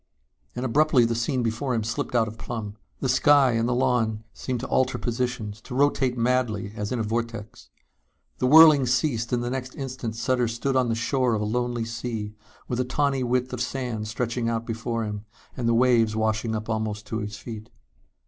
And abruptly the scene before him slipped out of plumb. The sky and the lawn seemed to alter positions, to rotate madly as in a vortex. The whirling ceased and the next instant Sutter stood on the shore of a lonely sea with a tawny width of sand stretching out before him and the waves washing up almost at his feet.